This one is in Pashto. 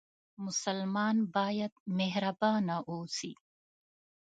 مسلمان باید مهربانه اوسي